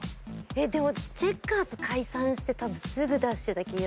でもチェッカーズ解散してすぐ出してた気がして。